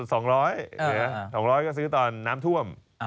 หรือ๒๐๐ก็ซื้อน้ำท่วม